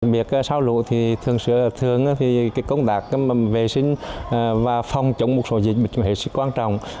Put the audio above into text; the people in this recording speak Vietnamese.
việc xáo lũ thì thường xử là công tác vệ sinh và phòng chống một số dịch vệ sinh quan trọng